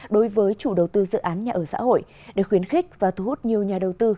đối với chủ đầu tư dự án nhà ở xã hội để khuyến khích và thu hút nhiều nhà đầu tư